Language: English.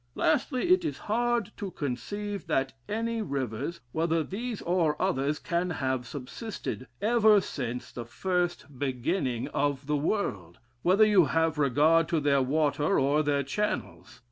Lastly, it is hard to conceive that any rivers, whether these or others, can have subsisted ever since the first beginning of the world; whether you have regard to their water or their channels.